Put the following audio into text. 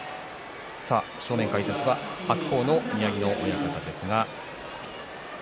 正面解説は白鵬の宮城野親方です。